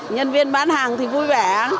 nhân viên bán hàng thì vui vẻ